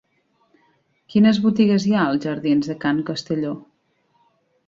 Quines botigues hi ha als jardins de Can Castelló?